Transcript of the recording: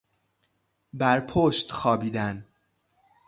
بر پشت خوابیدن